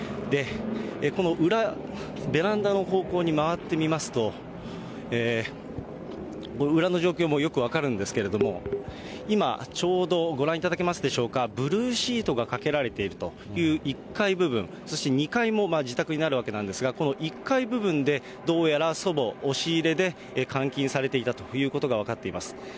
このベランダの方向に回って見ますと、裏の状況もよく分かるんですけれども、今、ちょうどご覧いただけますでしょうか、ブルーシートがかけられているという１階部分、そして２階も自宅になるわけなんですが、この１階部分で、どうやら祖母、押し入れで監禁されていたということが分かっています。